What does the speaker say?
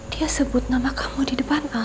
dia sebut nama kamu di depan